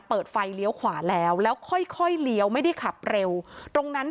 เปิดไฟเลี้ยวขวาแล้วแล้วค่อยค่อยเลี้ยวไม่ได้ขับเร็วตรงนั้น